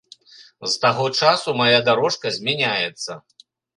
З таго часу мая дарожка змяняецца.